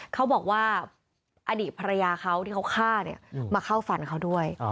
เขาบอกว่าอดีตภรรยาเขาที่เขาฆ่าเนี่ยมาเข้าฝันเขาด้วย